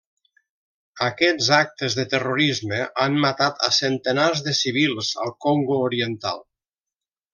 Aquests actes de terrorisme han matat a centenars de civils al Congo oriental.